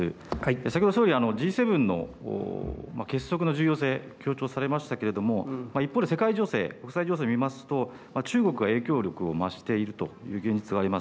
先ほど総理Ｇ７の結束の重要性強調されましたけれども一方で世界情勢国際情勢を見ますと中国が影響力を増しているという現実があります。